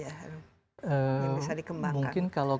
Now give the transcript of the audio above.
yang bisa dikembangkan